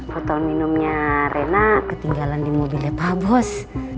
botol minumnya rena ketinggalan di mobilnya pak bos